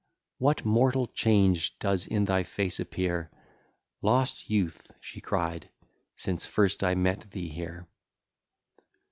What mortal change does in thy face appear, Lost youth, she cried, since first I met thee here!